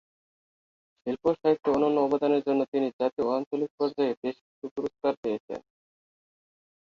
শিল্প ও সাহিত্যে অনন্য অবদানের জন্য তিনি জাতীয় ও আঞ্চলিক পর্যায়ে বেশ কিছু পুরস্কার পেয়েছেন।